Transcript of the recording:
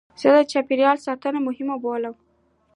زه چاپېریال ساتنه مهمه بولم.